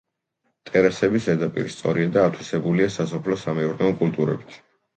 ტერასების ზედაპირი სწორია და ათვისებულია სასოფლო-სამეურნეო კულტურებით.